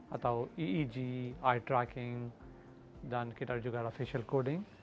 atau eeg eye tracking dan kita juga official coding